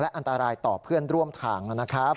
อันตรายต่อเพื่อนร่วมทางนะครับ